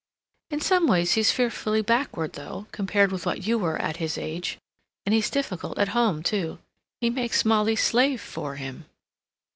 "In some ways he's fearfully backward, though, compared with what you were at his age. And he's difficult at home, too. He makes Molly slave for him."